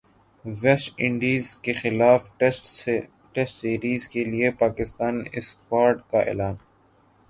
waste انڈیزکےخلاف test series کے لیےپاکستانی اسکواڈ کا اعلان